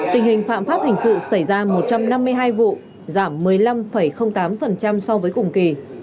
tình hình phạm pháp hình sự xảy ra một trăm năm mươi hai vụ giảm một mươi năm tám so với cùng kỳ